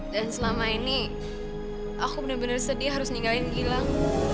dan selama ini aku bener bener sedih harus ninggalin gilang